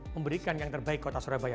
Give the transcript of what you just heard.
memberikan yang terbaik kota surabaya